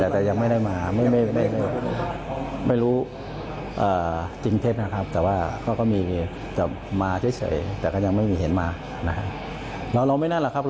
ถือแล้วจะออกได้ละแต่ถ้าพบวัน๒วันเนี่ยครับ